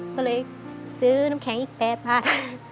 ก็เลยซื้อน้ำแข็งอีก๘๐๐บาท